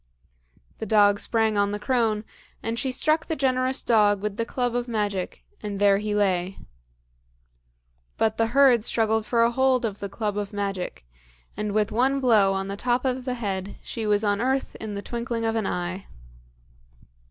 The dog sprang on the crone, and she struck the generous dog with the club of magic; and there he lay. But the herd struggled for a hold of the club of magic, and with one blow on the top of the head she was on earth in the twinkling of an eye.